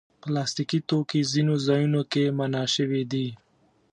پلاستيکي توکي ځینو ځایونو کې منع شوي دي.